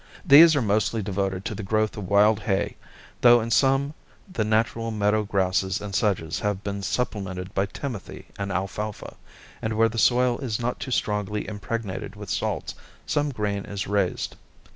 These are mostly devoted to the growth of wild hay, though in some the natural meadow grasses and sedges have been supplemented by timothy and alfalfa; and where the soil is not too strongly impregnated with salts, some grain is raised.